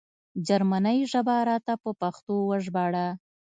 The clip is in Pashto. جرمنۍ ژبه راته په پښتو وژباړه